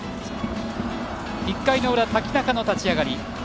１回の裏、瀧中の立ち上がり。